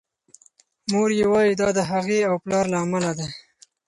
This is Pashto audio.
مور یې وايي دا د هغې او پلار له امله دی.